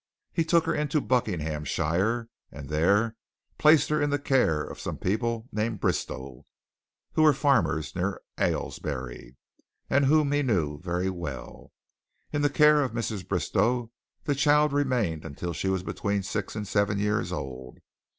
He took her into Buckinghamshire and there placed her in the care of some people named Bristowe, who were farmers near Aylesbury and whom he knew very well. In the care of Mrs. Bristowe, the child remained until she was between six and seven years old.